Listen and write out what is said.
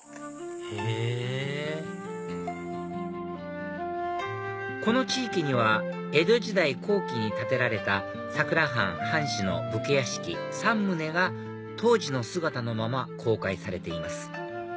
へぇこの地域には江戸時代後期に建てられた佐倉藩藩主の武家屋敷３棟が当時の姿のまま公開されています